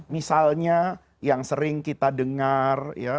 misalnya yang sering kita dengar ya